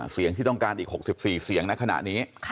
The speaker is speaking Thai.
เสียงที่ต้องการอีก๖๔เสียงในขณะนี้